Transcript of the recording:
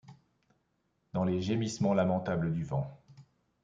Dans les gémissements lamentables du vent